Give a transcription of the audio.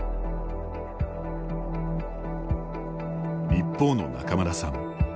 一方の仲邑さん。